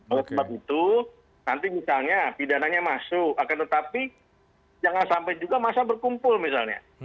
oleh sebab itu nanti misalnya pidananya masuk akan tetapi jangan sampai juga masa berkumpul misalnya